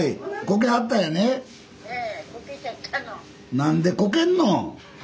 何でこけんの？